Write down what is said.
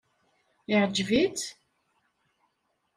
Iɛǧeb-itt?